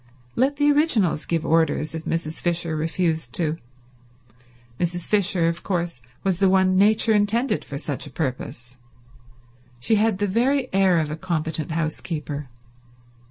Let the originals give orders if Mrs. Fisher refused to. Mrs. Fisher, of course, was the one Nature intended for such a purpose. She had the very air of a competent housekeeper.